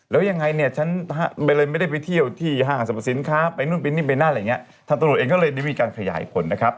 แล้วยังไงเนี่ยฉันเลยไม่ได้ไปเที่ยวที่ห้างสรรพสินค้าไปนู่นไปนี่ไปนั่นอะไรอย่างนี้ทางตำรวจเองก็เลยได้มีการขยายผลนะครับ